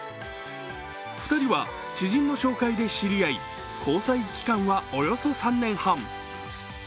２人は知人の紹介で知り合い交際期間はおよそ３年半。